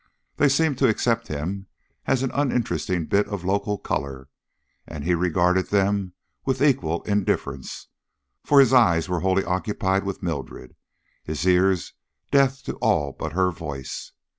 They seemed to accept him as an uninteresting bit of local color, and he regarded them with equal indifference, for his eyes were wholly occupied with Mildred, his ears deaf to all but her voice.